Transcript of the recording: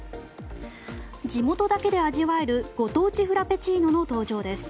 地元だけで味わえるご当地フラペチーノの登場です。